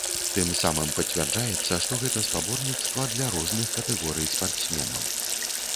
Тым самым пацвярджаецца, што гэта спаборніцтва для розных катэгорый спартсменаў.